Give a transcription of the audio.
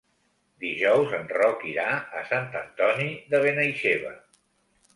Dijous en Roc irà a Sant Antoni de Benaixeve.